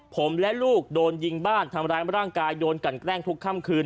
ผมและลูกโดนยิงบ้านทำร้ายร่างกายโดนกันแกล้งทุกค่ำคืน